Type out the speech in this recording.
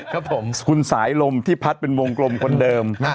ครับผมคุณสายลมที่พัดเป็นวงกลมคนเดิม